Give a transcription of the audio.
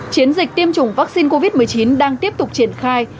chiến dịch tiêm chủng vaccine covid một mươi chín đang tiếp tục triển khai